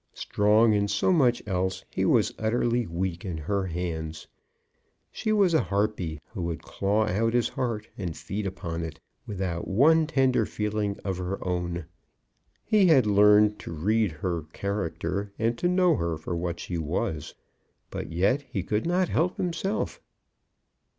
Strong, in so much else, he was utterly weak in her hands. She was a Harpy who would claw out his heart and feed upon it, without one tender feeling of her own. He had learned to read her character, and to know her for what she was. But yet he could not help himself.